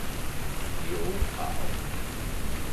You Hao